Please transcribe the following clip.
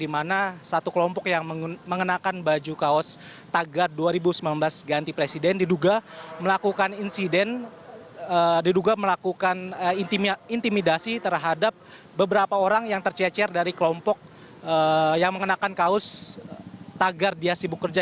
di mana satu kelompok yang mengenakan baju kaos tagar dua ribu sembilan belas ganti presiden diduga melakukan insiden diduga melakukan intimidasi terhadap beberapa orang yang tercecer dari kelompok yang mengenakan kaos tagar dia sibuk kerja